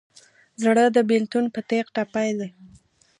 زړه د بېلتون په تیغ ټپي دی.